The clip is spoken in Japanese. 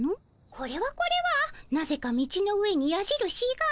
これはこれはなぜか道の上にやじるしが。